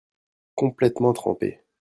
complètement trempé.